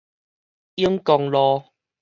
永公路